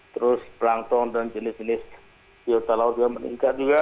terus pelangtong dan jenis jenis biota laut juga meningkat juga